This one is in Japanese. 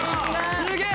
すげえ！